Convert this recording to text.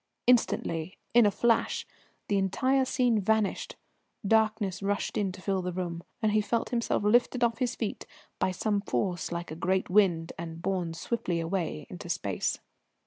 Instantly, in a flash, the entire scene vanished; darkness rushed in to fill the room, and he felt himself lifted off his feet by some force like a great wind and borne swiftly away into space.